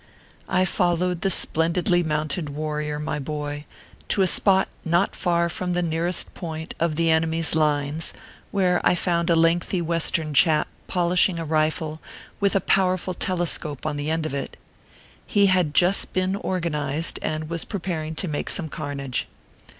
I followed the splendidly mounted warrior, my boy, to a spot not far from the nearest point of the enemy s 292 ORPHEUS C. KERB PAPERS. lines, where I found a lengthy Western chap polish ing a rifle with a powerful telescope on the end of it. He had just been organized, and was preparing to make some carnage.